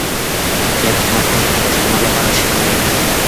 تېر حکومت زموږ پښتنو لپاره ښه نه وو.